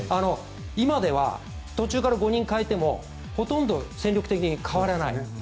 今では途中から５人代えてもほとんど戦力的に変われない。